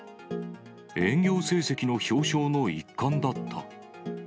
営業成績の表彰の一環だった。